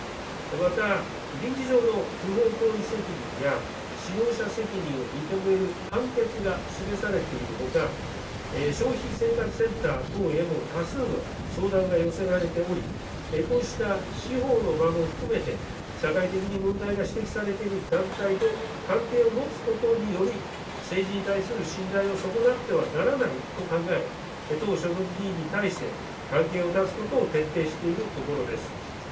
また民事上の不法行為責任や、使用者責任を認める判決が示されているほか、消費生活センター等へも多数の相談が寄せられており、こうした司法の場も含めて、社会的に問題が指摘されている団体と関係を持つことにより、政治に対する信頼を損なってはならないと考え、党所属議員に対して、関係を断つことを徹底しているところです。